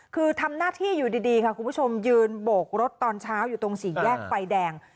คือทำหน้าที่อยู่ดีค่ะคุณผู้ชมยืนโบกรถตอนเช้าอยู่ตรงสี่แยกไฟแดง